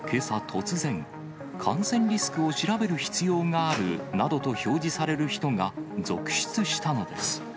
突然、感染リスクを調べる必要があるなどと表示される人が続出したのです。